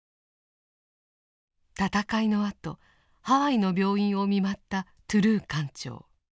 戦いのあとハワイの病院を見舞ったトゥルー艦長。